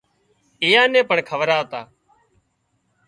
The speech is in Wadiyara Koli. ايئان نين پڻ کوَراوتا